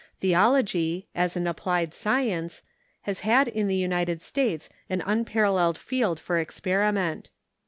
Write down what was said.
Theology, as an applied science, has had in the United States an unparalleled field for experi ment.